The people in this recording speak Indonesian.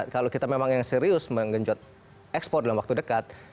kalau kita memang yang serius menggenjot ekspor dalam waktu dekat